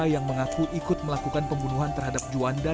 yang mengaku ikut melakukan pembunuhan terhadap juanda